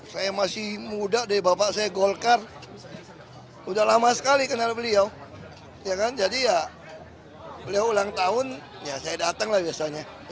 saya datang lah biasanya